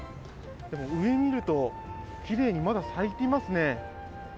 でも、上を見ると、きれいにまだ咲いていますね。